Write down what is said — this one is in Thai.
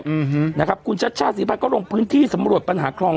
อืมฮืมนะครับคุณชาติสิภัยก็ลงพื้นที่สมรวจปัญหาครอง